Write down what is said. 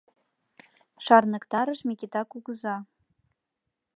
— Шарныктарыш Микыта кугыза.